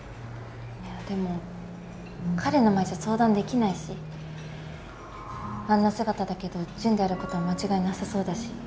いやでも彼の前じゃ相談できないしあんな姿だけどジュンであることは間違いなさそうだし。